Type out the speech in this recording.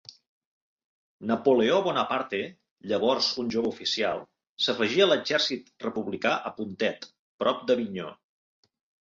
Napoleó Bonaparte, llavors un jove oficial, s'afegí a l'exèrcit republicà a Pontet, prop d'Avinyó.